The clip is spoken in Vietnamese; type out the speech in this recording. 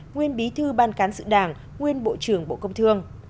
nguyên bí thư ban cán sự đảng nguyên bộ trưởng bộ công thương